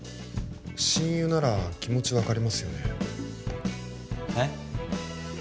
親友なら気持ち分かりますよねえっ？